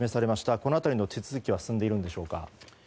この辺りの手続きは進んでいるんでしょうか。